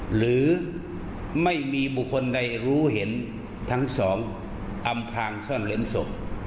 หรือไม่มีบุคคลใดรู้เห็นทั้งสองอำพางซ่อนเล้นศพ